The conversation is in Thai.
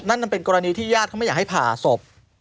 นั่นมันเป็นกรณีที่ญาติเขาไม่อยากให้ผ่าศพ